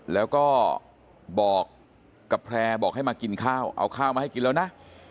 แล้วก็บอกกับแพร่บอกให้มากินข้าวเอาข้าวมาให้กินแล้วนะ